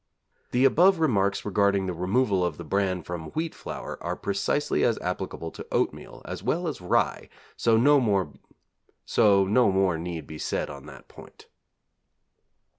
The above remarks regarding the removal of the bran from wheat flour are precisely as applicable to oatmeal, as well as rye, so no more need be said on that point.